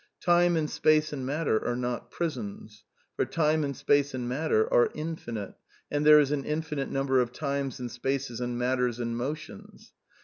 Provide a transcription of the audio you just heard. Time and space and matter are not prisons ; for time i, and space and matter are infinite, and there is an infinitej^ number of times and spaces and matters and motions.